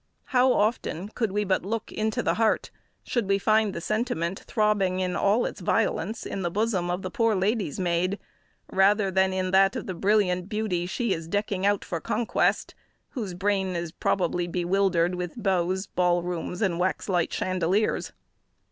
How often, could we but look into the heart, should we find the sentiment throbbing in all its violence, in the bosom of the poor lady's maid, rather than in that of the brilliant beauty she is decking out for conquest; whose brain is probably bewildered with beaux, ball rooms, and wax light chandeliers.